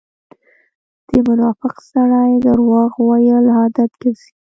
د منافق سړی درواغ وويل عادت ګرځئ.